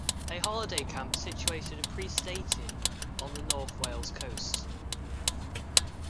A holiday camp situated in Prestatyn on the North Wales coast.